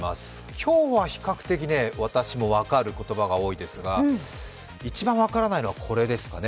今日は比較的私も分かる言葉が多いですが、一番分からないのはこれですかね。